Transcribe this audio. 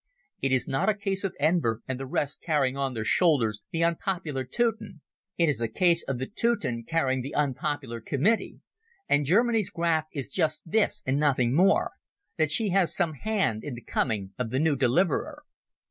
It is not a case of Enver and the rest carrying on their shoulders the unpopular Teuton; it is a case of the Teuton carrying the unpopular Committee. And Germany's graft is just this and nothing more—that she has some hand in the coming of the new deliverer.